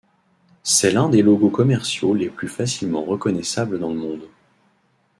C'est l'un des logos commerciaux les plus facilement reconnaissables dans le monde.